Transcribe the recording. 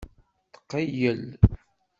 Tqeyyel.